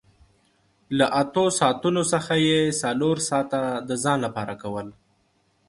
له اتو ساعتونو څخه یې څلور ساعته د ځان لپاره کول